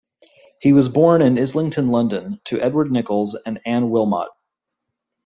He was born in Islington, London to Edward Nichols and Anne Wilmot.